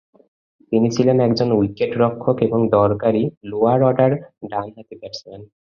তিনি ছিলেন একজন উইকেটরক্ষক এবং দরকারী লোয়ার অর্ডার ডানহাতি ব্যাটসম্যান।